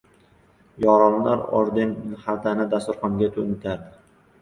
Yoronlar orden xaltani dasturxonga to‘ntardi.